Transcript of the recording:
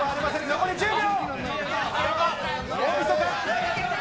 残り１０秒。